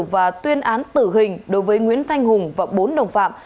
và tuyên án tử hình đối với nguyễn thanh hùng và bốn đồng phạm